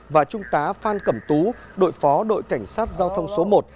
và trung tá phan cẩm tú đội phó đội cảnh sát giao thông số một